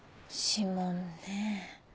指紋ねぇ。